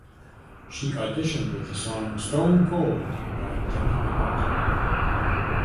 She auditioned with the song "Stone Cold" by Demi Lovato.